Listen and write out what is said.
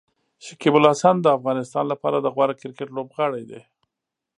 شکيب الحسن د افغانستان لپاره د غوره کرکټ لوبغاړی دی.